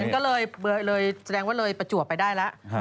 ก็เลยแสดงว่าเลยประจวบไปได้แล้ว